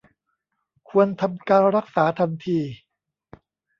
ควรทำการรักษาทันที